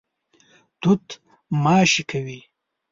توت ماشې کوي.